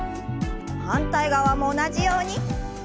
反対側も同じように。